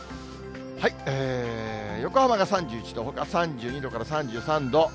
横浜が３１度、ほか３２度から３３度。